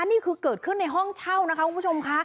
นี่คือเกิดขึ้นในห้องเช่านะคะคุณผู้ชมค่ะ